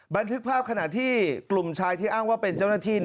บันทึกภาพขณะที่กลุ่มชายที่อ้างว่าเป็นเจ้าหน้าที่